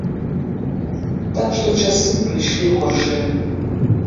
Так што часы прыйшлі горшыя.